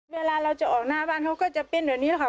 เวลาเราจะออกหน้าบ้านเขาก็จะเป็นแบบนี้แหละค่ะ